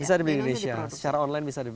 bisa dibeli di indonesia secara online bisa dibeli